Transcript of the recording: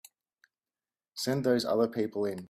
Send those other people in.